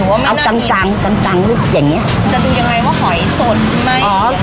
เอากลางกลางกลางกลางอย่างเงี้ยจะดูยังไงว่าหอยสดไม่อ๋อ